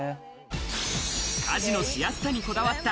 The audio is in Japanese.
家事のしやすさにこだわった